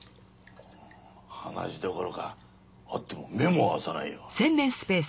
話どころか会っても目も合わさないよ。